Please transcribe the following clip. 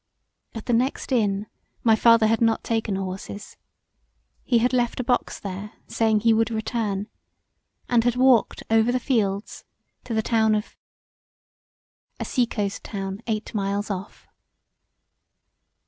At the next inn my father had not taken horses; he had left a box there saying he would return, and had walked over the fields to the town of a seacost town eight miles off.